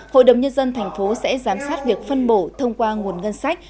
hội đồng nhân dân thành phố sẽ giám sát việc phân bổ thông qua nguồn ngân sách